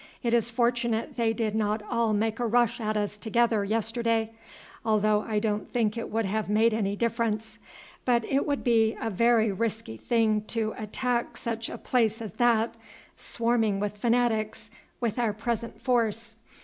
It is fortunate they did not all make a rush at us together yesterday, although I don't think it would have made any difference. But it would be a very risky thing to attack such a place as that, swarming with fanatics, with our present force.